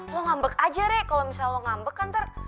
lo ngambek aja rek kalau misalnya lo ngambek kan ntar